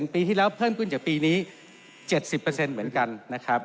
ปีที่แล้วเพิ่มขึ้นจากปีนี้๗๐เหมือนกันนะครับ